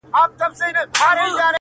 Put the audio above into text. • سمدستي د فرعون مخ کي پر سجدو سو -